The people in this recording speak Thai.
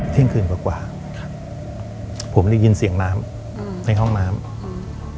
คืนกว่ากว่าครับผมได้ยินเสียงน้ำอืมในห้องน้ำอืม